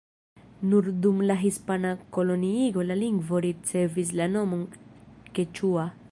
Nur dum la hispana koloniigo la lingvo ricevis la nomon keĉua.